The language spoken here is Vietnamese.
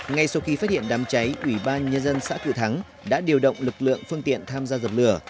ngay sau khi phát hiện đám cháy ủy ban nhân dân xã cự thắng đã điều động lực lượng phương tiện tham gia dập lửa